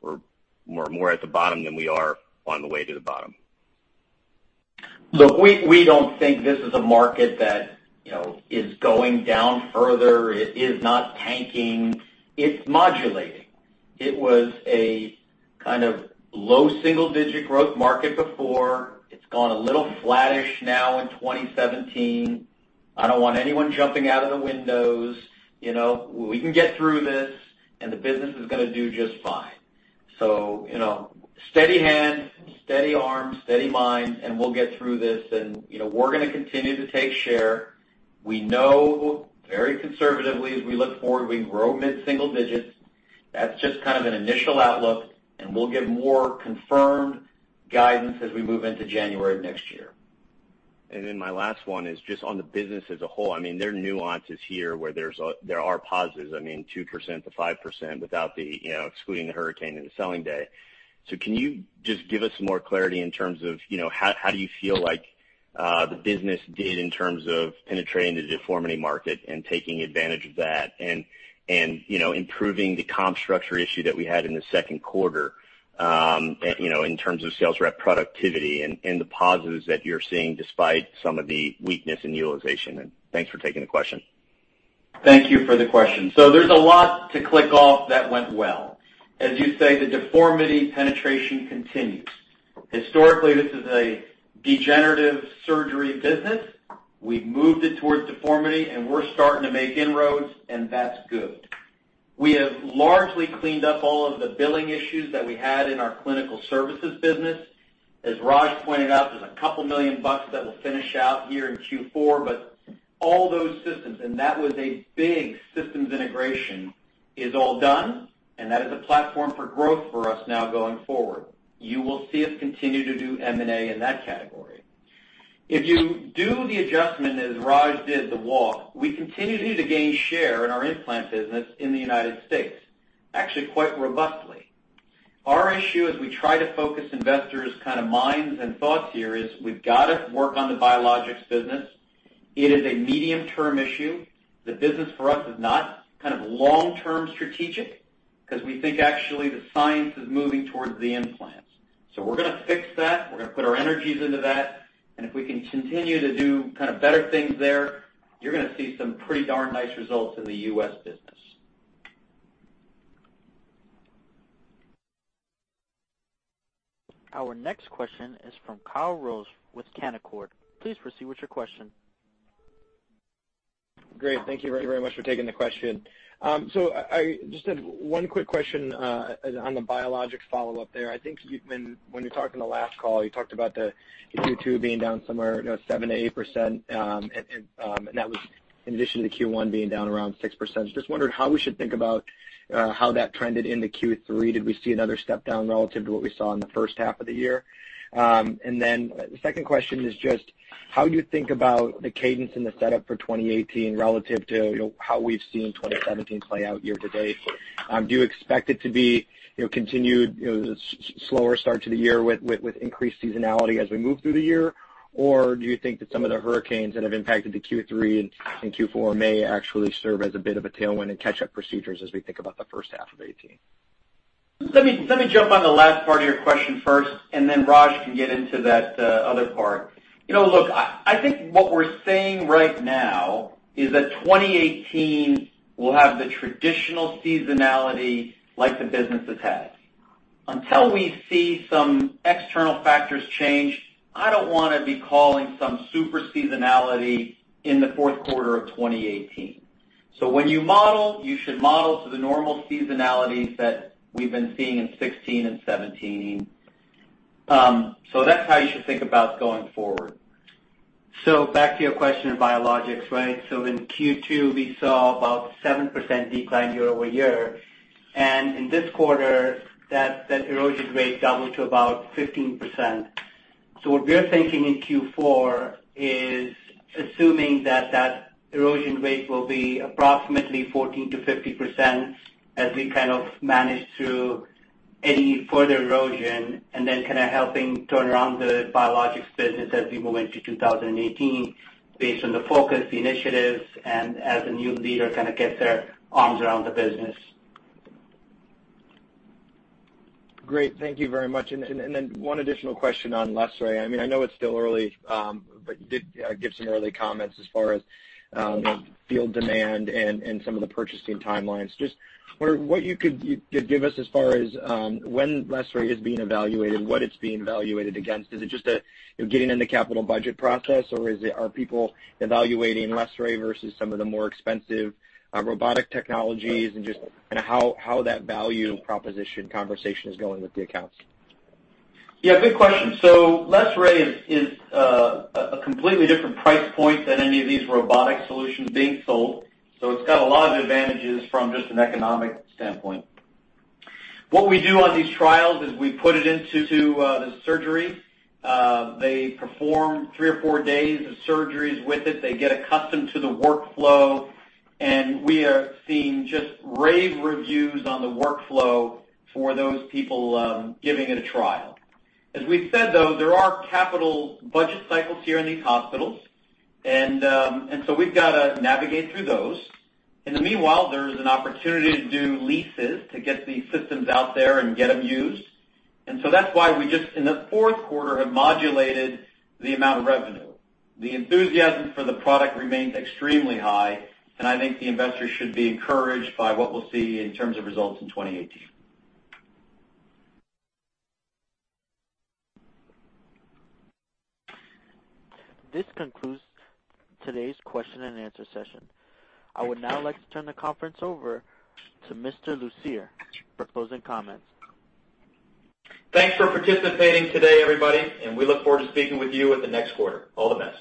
we're more at the bottom than we are on the way to the bottom. Look, we don't think this is a market that is going down further. It is not tanking. It's modulating. It was a kind of low single-digit growth market before. It's gone a little flattish now in 2017. I don't want anyone jumping out of the windows. We can get through this, and the business is going to do just fine. Steady hand, steady arm, steady mind, and we'll get through this. We're going to continue to take share. We know very conservatively, as we look forward, we can grow mid-single digits. That's just kind of an initial outlook, and we'll get more confirmed guidance as we move into January of next year. My last one is just on the business as a whole. I mean, there are nuances here where there are positives, I mean, 2%-5% without excluding the hurricane and the selling day. Can you just give us more clarity in terms of how you feel like the business did in terms of penetrating the deformity market and taking advantage of that and improving the comp structure issue that we had in the second quarter in terms of sales rep productivity and the positives that you're seeing despite some of the weakness in utilization? Thanks for taking the question. Thank you for the question. There's a lot to click off that went well. As you say, the deformity penetration continues. Historically, this is a degenerative surgery business. We've moved it towards deformity, and we're starting to make inroads, and that's good. We have largely cleaned up all of the billing issues that we had in our clinical services business. As Raj pointed out, there's a couple million bucks that will finish out here in Q4. All those systems, and that was a big systems integration, is all done. That is a platform for growth for us now going forward. You will see us continue to do M&A in that category. If you do the adjustment, as Raj did, the walk, we continue to gain share in our implant business in the United States, actually quite robustly. Our issue, as we try to focus investors' kind of minds and thoughts here, is we've got to work on the biologics business. It is a medium-term issue. The business for us is not kind of long-term strategic because we think actually the science is moving towards the implants. We're going to fix that. We're going to put our energies into that. If we can continue to do kind of better things there, you're going to see some pretty darn nice results in the US business. Our next question is from Kyle Rose with Canaccord. Please proceed with your question. Great. Thank you very much for taking the question. I just had one quick question on the biologics follow-up there. I think when you were talking the last call, you talked about the Q2 being down somewhere 7-8%. That was in addition to the Q1 being down around 6%. Just wondered how we should think about how that trended into Q3. Did we see another step down relative to what we saw in the first half of the year? The second question is just how do you think about the cadence and the setup for 2018 relative to how we've seen 2017 play out year to date? Do you expect it to be continued slower start to the year with increased seasonality as we move through the year? Do you think that some of the hurricanes that have impacted the Q3 and Q4 may actually serve as a bit of a tailwind and catch-up procedures as we think about the first half of 2018? Let me jump on the last part of your question first, and then Raj can get into that other part. Look, I think what we're seeing right now is that 2018 will have the traditional seasonality like the business has had. Until we see some external factors change, I don't want to be calling some super seasonality in the fourth quarter of 2018. When you model, you should model to the normal seasonalities that we've been seeing in 2016 and 2017. That's how you should think about going forward. Back to your question of biologics, right? In Q2, we saw about 7% decline year over year. In this quarter, that erosion rate doubled to about 15%. What we're thinking in Q4 is assuming that that erosion rate will be approximately 14-15% as we kind of manage through any further erosion and then kind of helping turn around the biologics business as we move into 2018 based on the focus, the initiatives, and as a new leader kind of gets their arms around the business. Great. Thank you very much. One additional question on Les Ray. I mean, I know it's still early, but you did give some early comments as far as field demand and some of the purchasing timelines. Just wonder what you could give us as far as when Les Ray is being evaluated, what it's being evaluated against. Is it just getting in the capital budget process, or are people evaluating Les Ray versus some of the more expensive robotic technologies? Just kind of how that value proposition conversation is going with the accounts? Yeah. Good question. Lestrade is a completely different price point than any of these robotic solutions being sold. It has a lot of advantages from just an economic standpoint. What we do on these trials is we put it into the surgery. They perform three or four days of surgeries with it. They get accustomed to the workflow. We are seeing just rave reviews on the workflow for those people giving it a trial. As we said, though, there are capital budget cycles here in these hospitals. We have to navigate through those. In the meanwhile, there is an opportunity to do leases to get the systems out there and get them used. That is why we just in the fourth quarter have modulated the amount of revenue. The enthusiasm for the product remains extremely high. I think the investors should be encouraged by what we'll see in terms of results in 2018. This concludes today's question and answer session. I would now like to turn the conference over to Mr. Lucier for closing comments. Thanks for participating today, everybody. We look forward to speaking with you at the next quarter. All the best.